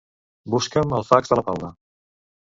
Busca'm el fax de la Paula.